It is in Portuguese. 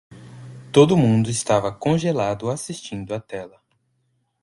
Todo mundo estava congelado assistindo a tela.